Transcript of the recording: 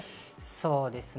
そうですね。